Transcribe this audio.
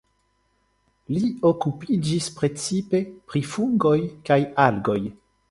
Li okupiĝis precipe pri fungoj kaj algoj.